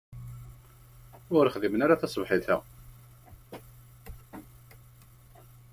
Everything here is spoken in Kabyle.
Ur xdimen ara taṣebḥit-a.